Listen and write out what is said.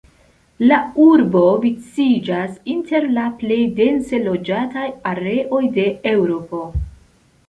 La urbo viciĝas inter la plej dense loĝataj areoj de Eŭropo.